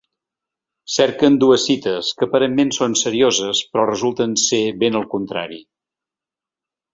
Cerquen dues cites, que aparentment són serioses, però resulten ser ben al contrari.